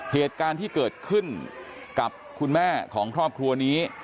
เหตุการณ์ที่เกิดขึ้นกับคุณแม่ของครอบครัวนี้